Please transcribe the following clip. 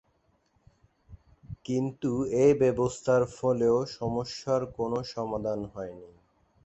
কিন্তু এ ব্যবস্থার ফলেও সমস্যার কোনো সমাধান হয়নি।